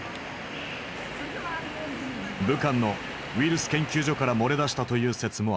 武漢のウイルス研究所から漏れ出したという説もある。